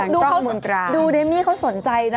ดูเดมี่เขาสนใจนะ